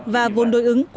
và vốn đối ứng của ngân sách